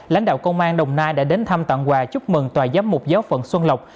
lãnh đạo công an đồng nai đã đến thăm tặng quà chúc mừng tòa giám mục giáo phận xuân lộc